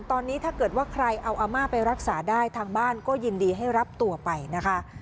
ตอนนี้ถ้าเกิดว่าใครเอาอาม่าไปรักษาได้ทางบ้านก็ยินดีให้รับตัวไปนะคะ